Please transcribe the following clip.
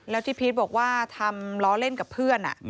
แล้วที่พีชบอกว่าทำล้อเล่นกับเพื่อน